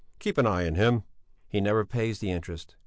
Keep an eye on him." "He never pays the interest."